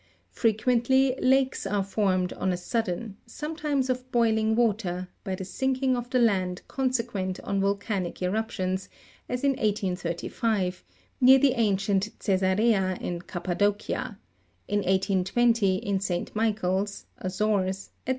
Fre quently lakes are formed on a sudden, sometimes of boiling water, by the sinking of the land consequent on volcanic eruptions, as in 1835, near the ancient Cesarea in Cappadocia ; in 1820, in St. Michael's (Azores), &c.